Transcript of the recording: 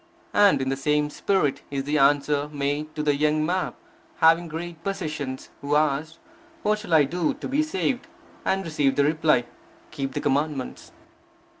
And in the same spirit is the answer made to the young map having great possessions, who asked, What shall I do to be saved? and received the reply: Keep the Commandments.